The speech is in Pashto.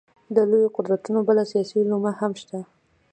د لویو قدرتونو بله سیاسي لومه هم شته.